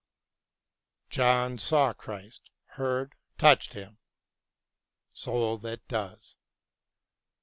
John saw Christ, heard, touched Him. Soul that does.